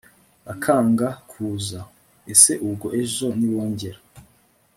bakanga kuza! ese ubwo ejo nibongera